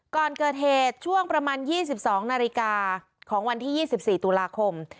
ก่อนเกิดเหตุช่วงประมาณยี่สิบสองนาฬิกาของวันที่ยี่สิบสี่ตุลาคม